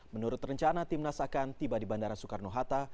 menurut rencana timnas akan tiba di bandara soekarno hatta